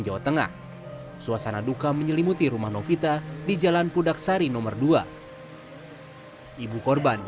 jawa tengah suasana duka menyelimuti rumah novita di jalan pudaksari nomor dua ibu korban